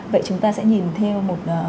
vậy chúng ta sẽ nhìn theo một